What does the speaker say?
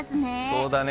そうだね。